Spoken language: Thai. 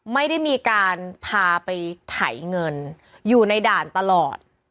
ไม่ได้มีการพาไปไถเงินอยู่ในด่านตลอด